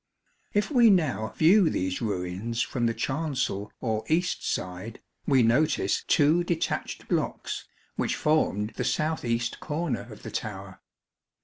If we now view these ruins from the chancel or east side, we notice two detached blocks, which formed the south east corner of the tower.